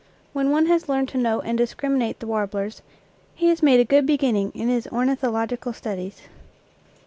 When one has learned to note and discriminate the warblers, he has made a good beginning in his ornithological studies.